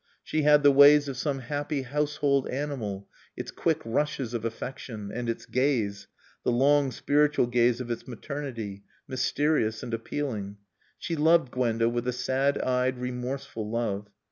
She had the ways of some happy household animal, its quick rushes of affection, and its gaze, the long, spiritual gaze of its maternity, mysterious and appealing. She loved Gwenda with a sad eyed, remorseful love.